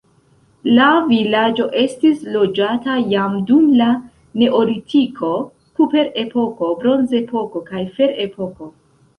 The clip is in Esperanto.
La vilaĝo estis loĝata jam dum la neolitiko, kuprepoko, bronzepoko kaj ferepoko.